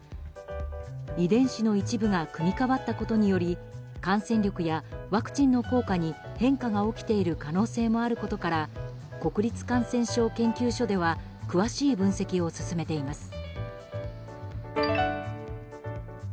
遺伝子の一部が組み変わったことにより感染力やワクチンの効果に変化が起きている可能性もあることから国立感染症研究所では詳しい分析を進めています。